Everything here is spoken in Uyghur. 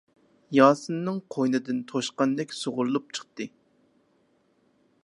ياسىننىڭ قوينىدىن توشقاندەك سۇغۇرۇلۇپ چىقتى.